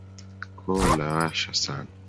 Koo lawasha sana.